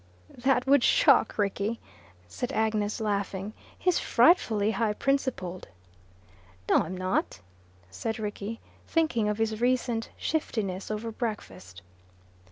"That would shock Rickie," said Agnes, laughing. "He's frightfully high principled." "No, I'm not," said Rickie, thinking of his recent shiftiness over breakfast.